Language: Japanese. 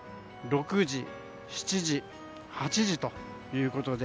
５時、６時、７時、８時ということで。